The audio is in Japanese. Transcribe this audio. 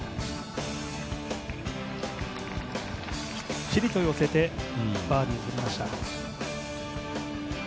きっちりと寄せてバーディーをとりました。